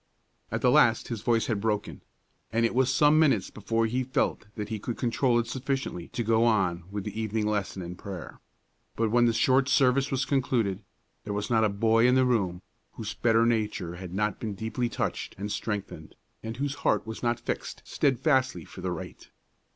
At the last his voice had broken, and it was some minutes before he felt that he could control it sufficiently to go on with the evening lesson and prayer; but when the short service was concluded, there was not a boy in the room whose better nature had not been deeply touched and strengthened, and whose heart was not fixed steadfastly for the right.